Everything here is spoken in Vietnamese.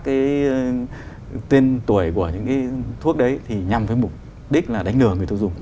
cái tên tuổi của những cái thuốc đấy thì nhằm với mục đích là đánh lừa người tiêu dùng